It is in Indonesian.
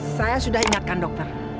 saya sudah ingatkan dokter